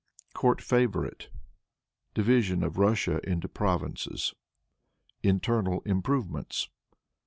Court Favorite. Division of Russia into Provinces. Internal Improvements.